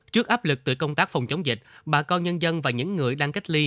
trước áp lực từ công tác phòng chống dịch bà con nhân dân và những người đang cách ly